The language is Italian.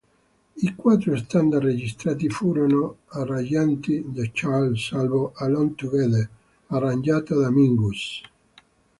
I quattro standard registrati furono arrangiati da Charles salvo "Alone Together" arrangiata da Mingus.